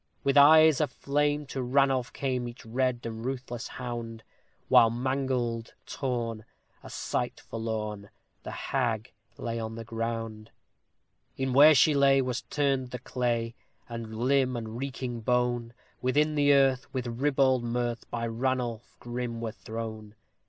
With eyes of flame to Ranulph came each red and ruthless hound, While mangled, torn a sight forlorn! the hag lay on the ground; E'en where she lay was turned the clay, and limb and reeking bone Within the earth, with ribald mirth, by Ranulph grim were thrown.